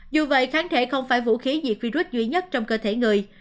dù vậy kháng thể không phải vũ khí diệt virus duy nhất trong cơ thể người